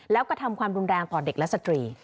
แล้วก็ทำความรุนแรงต่อเด็กและสตรี